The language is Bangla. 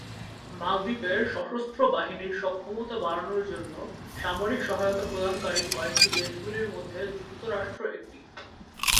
মালদ্বীপের সশস্ত্র বাহিনীর সক্ষমতা বাড়ানোর জন্য সামরিক সহায়তা প্রদানকারী কয়েকটি দেশগুলির মধ্যে যুক্তরাষ্ট্র একটি।